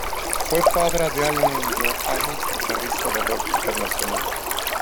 Fue padre de Alain Johannes, guitarrista de rock internacional.